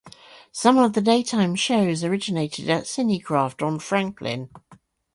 Some of the daytime shows originated at Cinecraft on Franklin.